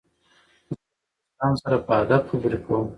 زه له دوستانو سره په ادب خبري کوم.